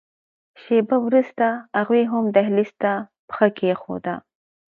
شېبه وروسته هغوی هم دهلېز ته پښه کېښوده.